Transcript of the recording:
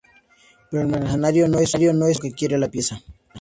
Pero el mercenario no es el único que quiere la pieza.